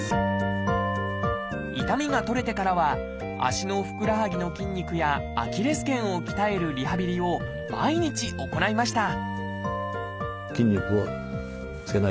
痛みが取れてからは足のふくらはぎの筋肉やアキレス腱を鍛えるリハビリを毎日行いました